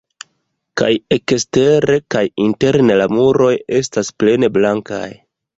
Kaj ekstere kaj interne la muroj estas plene blankaj.